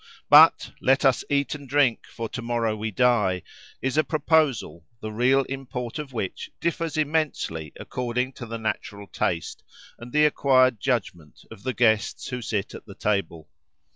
But—Let us eat and drink, for to morrow we die!—is a proposal, the real import of which differs immensely, according to the natural taste, and the acquired judgment, of the guests who sit at the table.